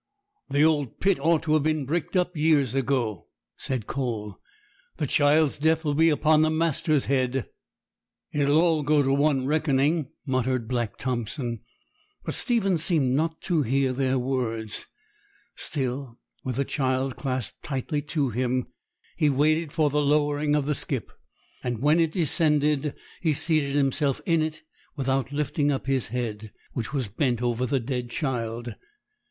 'The old pit ought to have been bricked up years ago,' said Cole; 'the child's death will be upon the master's head.' 'It'll all go to one reckoning,' muttered Black Thompson. But Stephen seemed not to hear their words. Still, with the child clasped tightly to him, he waited for the lowering of the skip, and when it descended, he seated himself in it without lifting up his head, which was bent over the dead child.